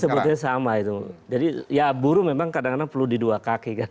jadi sepertinya sama itu jadi ya buru memang kadang kadang perlu di dua kaki kan